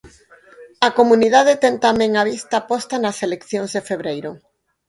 A comunidade ten tamén a vista posta nas eleccións de febreiro.